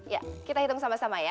ya kita hitung sama sama ya